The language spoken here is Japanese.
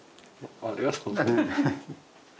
ありがとうございます。